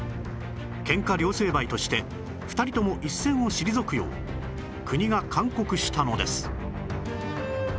喧嘩両成敗として２人とも一線を退くよう国が勧告したのです